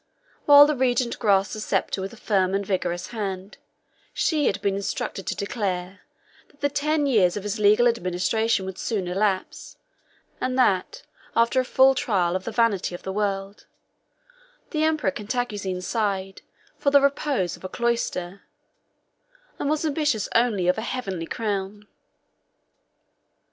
While the regent grasped the sceptre with a firm and vigorous hand, she had been instructed to declare, that the ten years of his legal administration would soon elapse; and that, after a full trial of the vanity of the world, the emperor Cantacuzene sighed for the repose of a cloister, and was ambitious only of a heavenly crown.